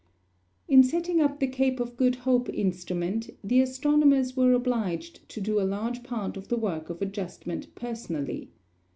In setting up the Cape of Good Hope instrument the astronomers were obliged to do a large part of the work of adjustment personally.